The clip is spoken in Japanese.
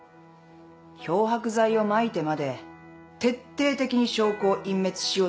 漂白剤をまいてまで徹底的に証拠を隠滅しようとした犯人よ。